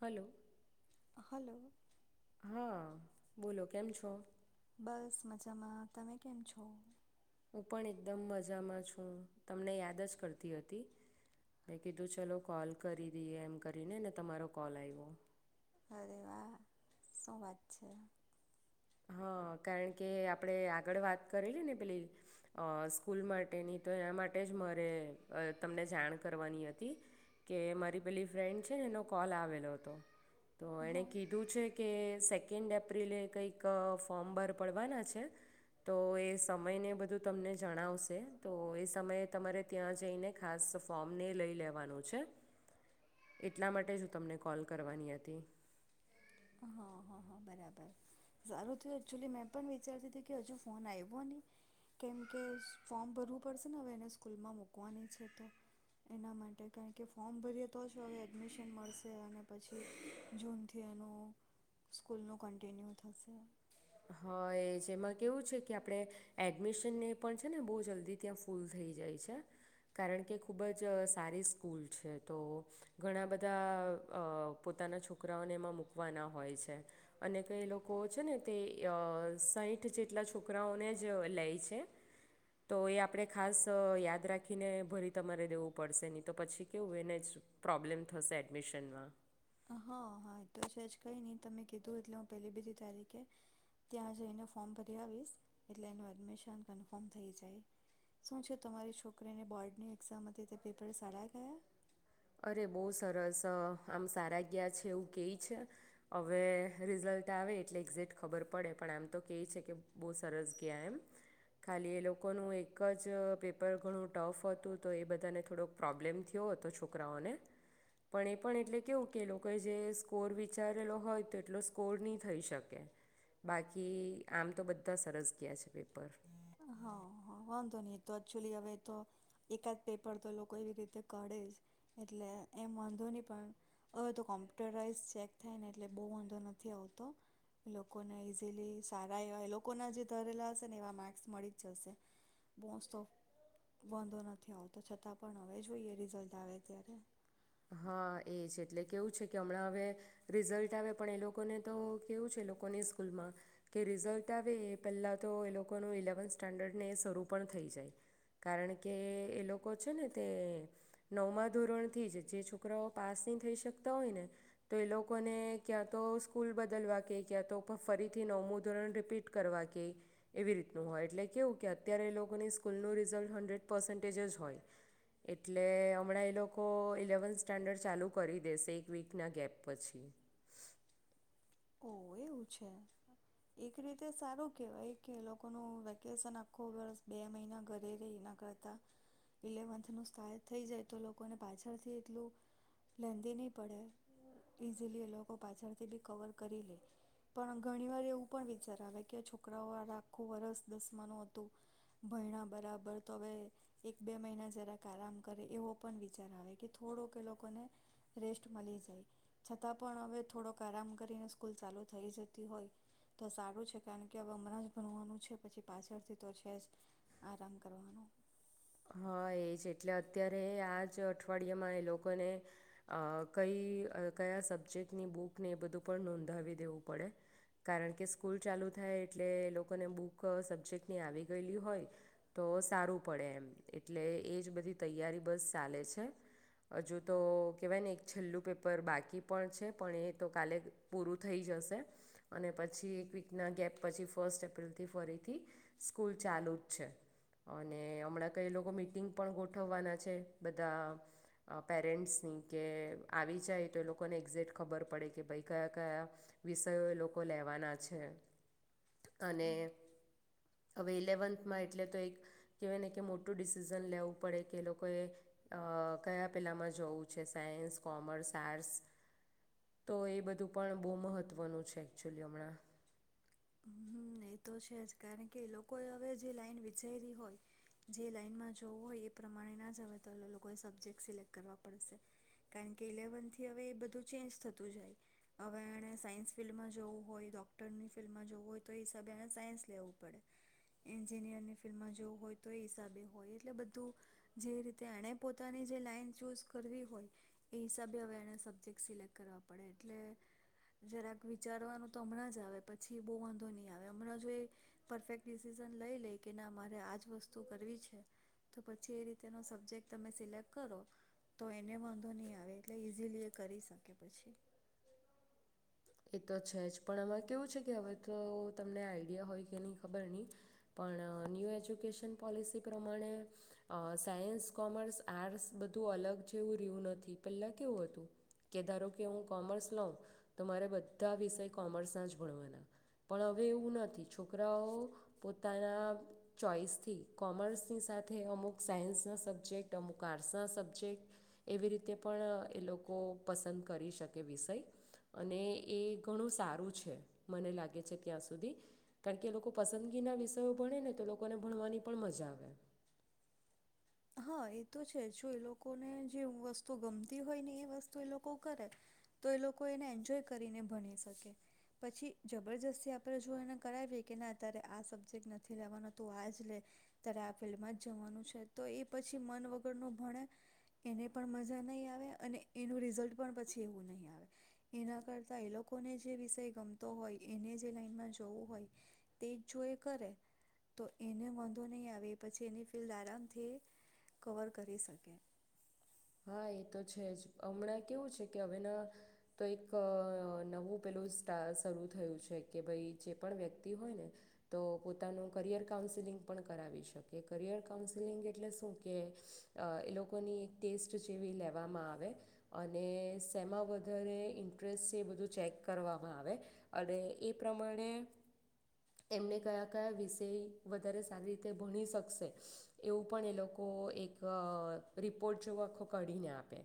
હાલો. Hello. હા, બોલો કેમ છો? બસ મજામાં, તમે કેમ છો? હું પણ એકદમ મજામાં છું. તમને યાદ જ કરતી હતી, મેં કીધું ચલો કોલ કરી દઈએ. એમ કરીને ને તમારો કોલ આવ્યો. અરે વાહ, શું વાત છે? હા કારણ કે આપણે આગળ વાત કરેલી ને પેલી સ્કૂલ માટેની, તો એના માટે જ મારે તમને જાણ કરવાની હતી કે મારી પેલી ફ્રેન્ડ છે ને એનો કોલ આવેલો હતો. તો એણે હા કીધું છે કે સેકન્ડ એપ્રિલે કઈ એક ફોર્મ બાર પડવાના છે તો એ સમયને બધું તમને જણાવશે તો એ સમયે તમારે ત્યાં જઈને ખાસ ફોર્મને લઈ લેવાનું છે. એટલા માટે જ હું તમને કોલ કરવાની હતી. હા હા હા બરાબર, સારું થયું એકચુલી મેં પણ વિચારતી હતી કે હજુ ફોન આવ્યો નહી. કેમકે ફોર્મ ભરવું પડશે ને હવે એને સ્કૂલમાં મૂકવાની છે તો એના માટે કારણ કે ફોર્મ ભરીએ તો જ હવે એડમિશન મળશે અને પછી જૂનથી એનું સ્કૂલનું કન્ટિન્યુ થશે. હા એજ, એમાં કેવું છે કે આપણે એડમિશનને પણ છે ને બહુ જલ્દી ત્યાં ફૂલ થઈ જાય છે, કારણ કે ખૂબ જ સારી સ્કૂલ છે. તો ઘણા બધા પોતાના અ છોકરાઓને એમાં મૂકવાના હોય છે અને કઈ લોકો છે ને તે સાહીઠ જેટલા છોકરાઓને જ લે છે, તો એ આપણે ખાસ યાદ રાખીને ભરી તમારે દેવું પડશે, નહીં તો પછી કેવું એને જ પ્રોબ્લેમ થશે એડમિશનમાં. હા હા એ તો છે જ કંઈ નહીં તમે કીધું એટલે હું પહેલી બીજી તારીખે ત્યાં જઈને ફોર્મ ભરી આવીશ, એટલે એનું એડમિશન કન્ફર્મ થઈ જાય. શું છે તમારી છોકરીને બોર્ડની એક્ઝામ હતી, તે પેપર સારા ગયા? અરે બહુ સરસ આમ સારા ગયા છે, એવું કે છે. હવે રિઝલ્ટ આવે એટલે એક્ઝેક્ટ ખબર પડે પણ આમ તો કહે છે કે બહુ સરસ ગયા એમ. ખાલી એ લોકોનું એક જ પેપર ઘણું ટફ હતું તો એ બધાને થોડોક પ્રોબ્લેમ થયો હતો છોક રાઓને પણ એ પણ એટલે કેવું કે લોકોએ જે સ્કોર વિચારેલો હોય તો એટલો સ્કોર નહી થઈ શકે. બાકી આમ તો બધા સરસ ગયા છે પેપર. હા હા, વાંધો ની તો એક્ચુલી હવે તો એકાદ પેપર તો લોકો એવી રીતે કાઢે જ એટલે એમ વાંધો નહી પણ હવે તો કોમ્પ્યુટરાઈઝ ચેક થાય ને એટલે બહુ વાંધો નથી આવતો. લોકોને ઈઝીલી સારા એવા એ લોકોના જે ધરેલા હશે ને એવા માર્ક્સ મળી જ જશે. મોસ્ટ ઓફ વાંધો નથી આવતો, છતાં પણ હવે જોઈએ રિઝલ્ટ આવે ત્યારે. હા એ છે એટલે કેવું છે કે હમણાં હવે રિઝલ્ટ આવે પણ એ લોકોને તો કેવું છે એ લોકોની સ્કૂલમાં કે રિઝલ્ટ આવે એ પહેલા તો એ લોકોનું ઇલેવન્ સ્ટાન્ડર્ડને એ શરૂ પણ થઈ જાય. કારણ કે એ લોકો છે ને તે નવમાં ધોરણથી જ જે છોકરાઓ પાસ નહીં થઈ શકતા હોય, ને તો એ લોકોને ક્યાં તો સ્કૂલ બદલવા કે ક્યાં તો ફરીથી નવમું ધોરણ રિપીટ કરવા કે એવી રીતનું હોય એટલે કેવું કે અત્યારે એ લોકોની સ્કૂલનું રિઝલ્ટ હન્ડ્રેડ પર્સન્ટેજ જ હોય. એટલે હમણાં એ લોકો ઇલેવ લેવન સ્ટાન્ડર્ડ ચાલુ કરી દેશે એક વીકના ગેપ પછી. ઓ એવું છે. એક રીતે સારું કેહેવાય કે એ લોકોનું વેકેશન આખો વર્ષ બે મહિના ઘરે રહી એના કરતા ઇલેવન્થ નું સ્ટાર્ટ થઈ જાય તો લોકોને પાછળથી એટલું લેંદી નહી પડે ઈઝીલી એ લોકો પાછળથી બી કવર કરી લે. પણ ઘણીવાર એવું પણ વિચાર આવે કે છોકરાઓ આ આખું વરસ દસમાનું હતું, ભયણા બરાબર તો હવે એક બે મહિના જરાક આરામ કરે એવો પણ વિચાર આવે કે થોડોક એ લોકોને રેસ્ટ મળી જાય. છતાં પણ હવે થોડોક આરામ કરીને સ્કૂલ ચાલુ થઈ જતી હોય તો સારું છે, કારણ કે હવે હમણાં જ ભણવાનું છે પછી પાછળથી તો છે જ આરામ કરવાનું. હા એ જ એટલે અત્યારે આ જ અઠવાડિયામાં એ લોકોને અ કઈ કયા સબ્જેક્ટની બુકને એ બધું પણ નોંધાવી દેવું પડે. કારણ કે સ્કૂલ ચાલુ થાય એટલે એ લોકોને બુક સબ્જેક્ટની આવી ગયેલી હોય તો સારું પડે એમ. એટલે એ જ બધી તૈયારી બસ ચાલે છે. હજુ તો કહેવાય ને એક છેલ્લું પેપર બાકી પણ છે. પણ એ તો કાલે પૂરું થઈ જશે, અને પછી એક વીકના ગેપ પછી ફસ્ટ એપ્રિલથી ફરીથી સ્કૂલ ચાલુ જ છે અને હમણાં કે એ લોકો મિટિંગ પણ ગોઠવવાના છે, બધા પેરેન્ટ્સની કે આવી જાય તો એ લોકોને એક્ઝેક્ટ ખબર પડે કે ભાઈ કયા કયા વિષયો એ લોકો લેવાના છે. અને હમ હવે ઇલેવન્થમાં એટલે તો એક કહેવાય ને કે મોટ ટું ડિસિઝન લેવું પડે કે એ લોકોએ કયા પહેલામાં જવું છે. સાયન્સ, કોમર્સ, આર્ટસ તો એ બધું પણ બહુ મહત્ત્વનું છે એકચ્યુલી હમણાં. હમ એ તો છે જ કારણ કે એ લોકોએ હવે જે લાઈન વિચારી હોય જે લાઈનમાં જોવું હોય એ પ્રમાણે ના જ આવે તો લોકોએ સબ્જેક્ટ સિલેક્ટ કરવા પડશે. કારણકે, ઇલેવન થી હવે એ બધું ચેન્જ થતું જાય હવે એણે સાયન્સ ફિલ્ડમાં જોવું હોય, ડોક્ટરની ફિલ્ડમાં જોવું હોય તો એ હિસાબે એ સાયન્સ લેવું પડે, એન્જિનિયરની ફિલ્ડમાં, જોવું હોય તો એ હિસાબે હોય. એટલે બધું જે રીતે એણે પોતાની જે લાઈન ચૂઝ કરવી હોય એ હિસાબે હવે એને સબ્જેક્ટ સિલેક્ટ કરવા પડે એટલે જરાક વિચારવાનું તો હમણાં જ આવે. પછી બહુ વાંધો ની આવે હમણાં જો એ પરફેક્ટ ડિસિઝન લઈ લે કે ના મારે આજ વસ્તુ કરવી છે, તો પછી એ રીતેનો સબ્જેક્ટ તમે સિલેક્ટ કરો તો એને વાંધો નહી આવે એટલે ઈઝીલી એ કરી શકે પછી. એ તો છે જ પણ એમાં કેવું છે કે હવે તો તમને આઈડિયા હોય કે ન ની ખબર નહીં પણ ન્યૂ એજ્યુકેશન પોલિસી પ્રમાણે સાયન્સ, કોમર્સ, આર્ટસ બધું અલગ જેવું રહ્યું નથી. પહેલા કેવું હતું કે ધારો કે હું કોમર્સ લઉં તો મારે બધા વિષય કોમર્સના જ ભણવાના, પણ હવે એવું નથી છોકરાઓ પોતાના ચોઈસથી કોમર્સ ની સાથે અમુકસાયન્સના સબ્જેક્ટ અમુક આર્ટસ ના સબ્જેક એવીરીતે પણ એ લોકો પસંદ કરી શકે વિષય. અને એ ઘણું સારું છે મને લાગે છે ત્યાં સુધી કારણ કે એ લોકો પસંદગીના વિષયો ભણે ને તો એ લોકોને ભણવાની પણ મજા આવે. હા એ તો છે જો એ લોકોને જે વસ્તુ ગમતી હોય ને એ વસ્તુ એ લોકો કરે તો એ લોકો એને એન્જોય કરીને ભણી શકે પછી જબરજસ્તી આપણે જો એને કરાવીએ કે ના ત્યારે આ સબ્જેક્ટ નથી લેવાનો તું આ જ લે તારે આ ફિલ્ડમાં જ જવાનું છે તો એ પછી મન વગરનું ભણે એને પણ મજા નહીં આવે અને એનું રિઝલ્ટ પણ પછી એવું નહીં આવે, એના કરતાં એ લોકોને જે વિષય ગમતો હોય એને જે લાઈનમાં જોવું હોય તે જો એ કરે તો એને વાંધો નહીં આવે એ પછી એની ફિલ્ડ આરામ થી કવર કરી શકે. હા એ તો છે જ હમણાં કેવું છે કે હવેના તો એક નવું પેલું સ્ટા શરૂ થયું છે કે ભાઈ જે પણ વ્યક્તિ હોય ને તો પોતાનું કરિયર કાઉન્સલિંગ પણ કરાવી શકે. કરિયર કાઉન્સલિંગ એટલે શું કે અ એ લોકોની ટેસ્ટ જેવી લેવામાં આવે અને સેમાં વધારે ઇન્ટરેસ્ટ છે બધું ચેક કરવામાં આવે અને એ પ્રમાણે એમને કયા કયા વિષય વધારે સારી રીતે ભણી શકશે એવું પણ એ લોકો એક રિપ પોર્ટ જો આખો કઢીને આપે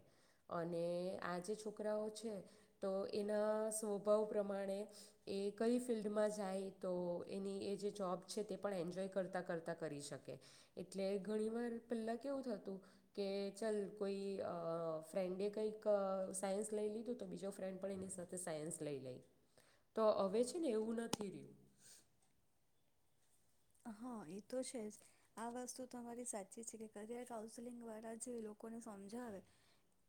અને આ જે છોકરાઓ છે તો એના સ્વભાવ પ્રમાણે એ કઈ ફિલ્ડમાં જાય તો એની એ જે જોબ છે તે પણ એન્જોય કરતાં કરતાં કરી શકે એટલે ઘણીવાર પહેલાં કેવું થતું કે ચલ કોઈ અ ફ્રેન્ડે કંઈક સાયન્સ લઈ લીધું તો બીજો ફ્રેન્ડ પણ એની સાથે સાયન્સ લઈ લઈ તો હવે છે ને એવું નથી રહ્યું. હા એ તો છે જ આ વસ્તુ તમારી સાચી છે કે કરિયર કાઉન્સેલિંગ વાળા જે લોકોને સમજાવે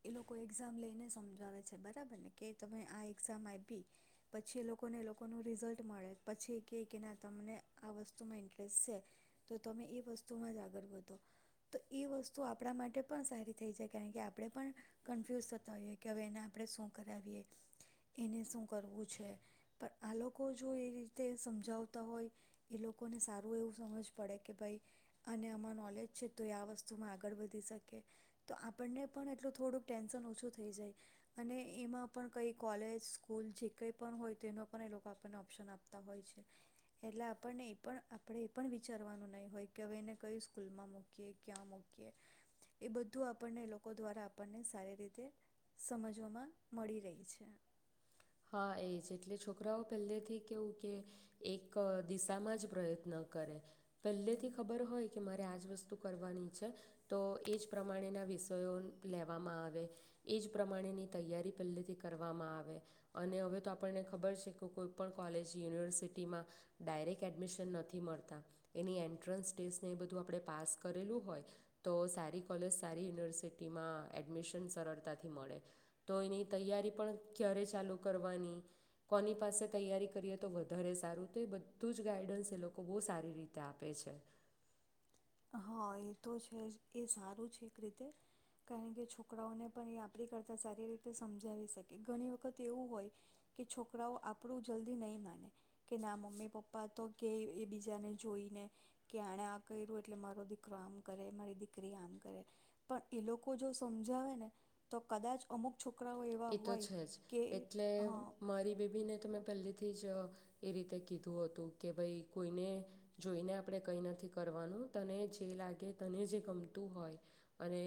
એ લોકો એક્ઝામ લઈને સમજાવે છે બરાબર ને કે તમે આ એક્ઝામ આયપી પછી એ લોકોને એ લોકોનું રિઝલ્ટ મળે પછી એ કે કે ના તમને આ વસ્ તુ માં ઇન્ટરેસ્ટ છે, તો તમે એ વસ્તુમાં જ આગળ વધો. તો એ વસ્તુ આપણા માટે પણ સારી થઈ જાય કારણ કે આપણે પણ કન્ફ્યુઝ થતા હોઈએ કે હવે એને આપણે શું કરાવીએ, એને શું કરવું છે. પણ આ લોકો જો એ રીતે સમજાવતા હોય એ લોકોને સારું એવું સમજ પડે કે ભાઈ અને આમાં નોલેજ છે તો એ આ વસ્તુમાં આગળ વધી શકે તો આપણને પણ એટલું થોડુંક ટેન્શન ઓછું થઈ જાય અને એમાં પણ કંઈ કોલેજ સ્કૂલ જે કંઈ પણ હોય તેનો પણ એ લોકો આપણને ઓપ્શન આપતા હોય છે. એટલે આ પણને એ પણ આપણે એ પણ વિચારવાનું નહીં હોય કે હવે એને કઈ સ્કૂલમાં મૂકીએ, ક્યાં મૂકીએ. એ બધું આપણને એ લોકો દ્વારા આપણને સારી રીતે સમજવામાં મળી રહી છે. હા એ જ એટલે છોકરાઓ પહેલેથી કેવું કે એક દિશામાં જ પ્રયત્ન કરે. પહેલેથી ખબર હોય કે મારે આજ વસ્તુ કરવાની છે તો એ જ પ્રમાણેના વિષયો લેવામાં આવે એ જ પ્રમાણેની તૈયારી પહેલેથી કરવામાં આવે. અને હવે તો આપને ખબર છે કે કોઈપણ કોલેજ યુનિવર્સિટી માં ડાયરેક્ટ એડમિશન નથી મળતા. એની એન્ટ્રન્સ ટેસ્ટ ને એ બધું આપડે પાસ કરેલું હોય, તો સારી કૉલેજ, સારી યુનિવર્સિટી માં એડમિશન સરળતાથી મળે. તો તેની તૈયારી પણ ત્યારે ચાલુ કરવાની, કોની પાસે તૈયારી કરીએ તો વધારે સારું તો એ બધું જ ગાઈડન્સ એ લોકો બહુ સારી રીતે આપે છે. હા એ તો છે એ સારું છે એક રીતે કારણ કે છોકરાઓને પણ એ આપણી કરતા સારી રીતે સમજાવી શકે. ઘણી વખત એવું હોય કે છોકરાઓ આપણું જલ્દી નહી માને કે ના મમ્મી પપ્પા તો કે એ બીજાને જોઈને કે આણે આ કર્યું એટલે મારો દીકરો આમ કરે, મારી દીકરી આમ કરે, પણ એ લોકો જો સમજાવે ને તો કદાચ અમુક છોકરાઓ એવા એ તો હોય છે જ કે એટલે હા મારી બેબીને તોં મેં પેલે થી જ એ રીતે કીધું હતું કે ભાઈ કોઈને જોઈને આપણે કંઈ નથી કરવાનું તને જે લાગે તને જે ગમતું હોય અને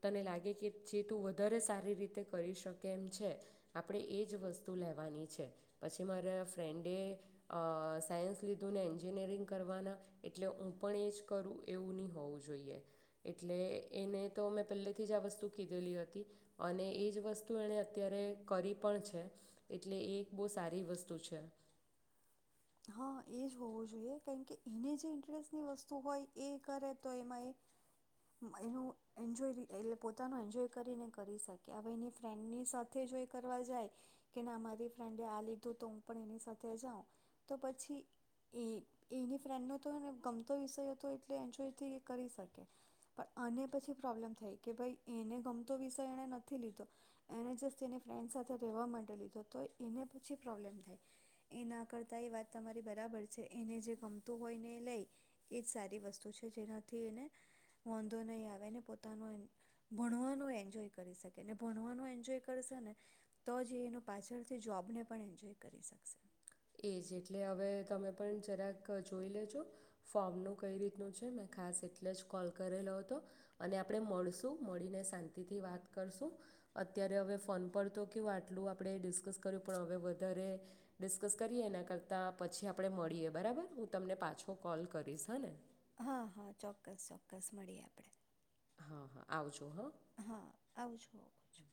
તને લાગે કે જે તું વધારે સારી રીતે કરીશક કેમ છે. આપડે એજ વસ્તુ લેવાની છે, પછી મારા ફ્રેન્ડએ અ સાયન્સ લીધું ને એન્જિનિયરિંગ કરવાના એટલે હું પણ એજ કરું એવું ની હોવું જોઈએ. એટલે એને તો મે પેલે થી જ આ વસ્તુ કીધેલી હતી અને એજ વસ્ તુ એણે અત્યારે કરી પણ છે એટલે એ એક બહુ સારી વસ્તુ છે. હા એ જ હોવું જોઈએ કારણ કે એને જે ઇન્ટરેસ્ટની વસ્તુ હોય એ કરે તો એમાં એ એનું એન્જય એલે પોતાનો એન્જોય કરીને કરી શકે. હવે એની ફ્રેન્ડની સાથે જો એ કરવા જાય કે મારી ફ્રેન્ડ આ લીધું તો હું પણ એની સાથે જાઉં તો પછી એ એની ફ્રેન્ડનો તો એને ગમતો વિષય હતો એટલે એન્જોયથી એ કરી શકે પણ આને પછી પ્રોબ્લેમ થાય કે ભાઈ એને ગમતો વિષય એણે નથી લીધો, એણે જસ્ટ એની ફ્રેન્ડ સાથે રહેવા માટે લીધો. તો એને પછી પ્રોબ્લેમ થાય એના કર તા એ વાત તમારી બરાબર છે એને જે ગમતું હોય ને એ લઈ એ જ સારી વસ્તુ છે જેનાથી એને વાોંધો નહીં આવેને પોતાનું ભણવાનું એન્જોય કરી શકેને ભણવાનું એન્જોય કરશે ને તો જ એનો પાછળથી જોબને પણ એન્જોય કરી શકશે. એ જ એટલે હવે તમે પણ જરાક જોઈ લેજો. ફોર્મનું કઈ રીતનું છે મેં ખાસ એટલે જ કોલ કરેલો હતો અને આપણે મળશું, મળીને શાંતિથી વાત કરશું અત્યારે હવે ફોન પર તો કવું આટલું આપણે ડિસ્કસ કર્યું પણ હવે વધારે ડિશ કસ કરીએ એના કરતા પછી આપણે મળીએ બરાબર હું તમને પાછો કોલ કરીશ હા ને? હા હા, ચોક્કસ ચોક્કસ, મળીએ આપણેે. હા હા, આવજો હા. હા આવજો આ છું.